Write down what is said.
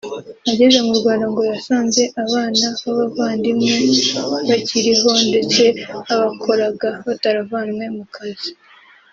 Ageze mu Rwanda ngo yasanze abana b’abavandimwe bakiriho ndetse abakoraga bataravanwe ku kazi